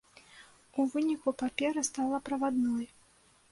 У выніку папера стала правадной.